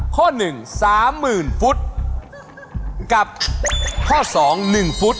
ข้อ๑สามหมื่นฟุตกับข้อ๒หนึ่งฟุต